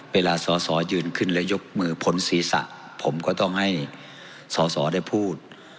เวลาสอสอยืนขึ้นแล้วยกมือพ้นศีรษะผมก็ต้องให้สอสอได้พูด